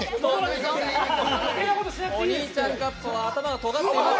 お兄ちゃんカッパは頭がとがっている。